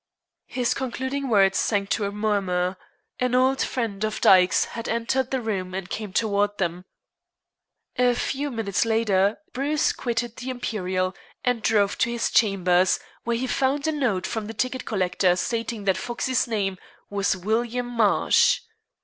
His concluding words sank to a murmur. An old friend of Dyke's had entered the room and came toward them. A few minutes later Bruce quitted the Imperial and drove to his chambers, where he found a note from the ticket collector stating that Foxey's name was William Marsh.